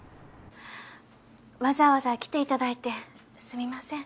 わざわざ来ていただいてすみません。